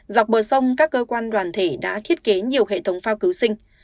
dọc bờ sông các cơ quan đoàn thể đã thiết kế nhiều hệ thống phao cứu sinh